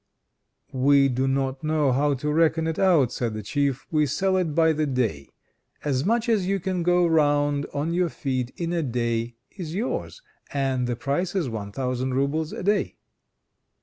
"We do not know how to reckon it out," said the Chief. "We sell it by the day. As much as you can go round on your feet in a day is yours, and the price is one thousand roubles a day."